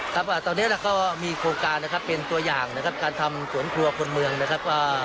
ครับตอนนี้เราก็มีโครงการนะครับเป็นตัวอย่างนะครับการทำสวนครัวคนเมืองนะครับว่า